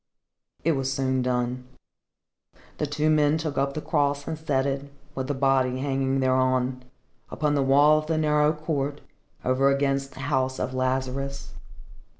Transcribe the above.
It was soon done. The two men took up the cross and set it, with the body hanging thereon, against the wall of the narrow court, over against the house of Lazarus.